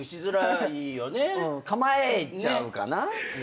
構えちゃうかな？